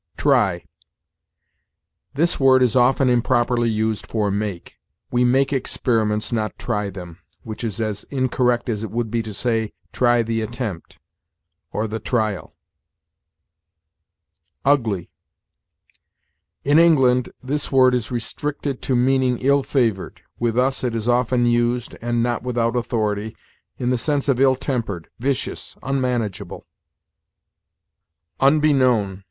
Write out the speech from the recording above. TRY. This word is often improperly used for make. We make experiments, not try them, which is as incorrect as it would be to say, try the attempt, or the trial. UGLY. In England, this word is restricted to meaning ill favored; with us it is often used and not without authority in the sense of ill tempered, vicious, unmanageable. UNBEKNOWN.